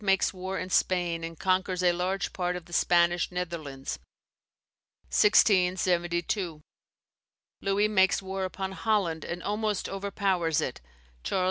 makes war in Spain, and conquers a large part of the Spanish Netherlands. 1672. Louis makes war upon Holland, and almost overpowers it, Charles II.